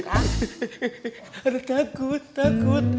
ada takut takut